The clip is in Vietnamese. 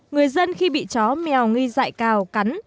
người dân khi bị chó mèo nghi dại cào cắn